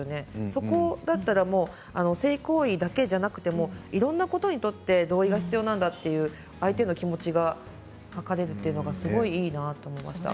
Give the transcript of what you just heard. そこだったら性行為だけじゃなくいろんなことにとって同意が必要なんだという相手の気持ちが分かるというのがすごくいいなと思いました。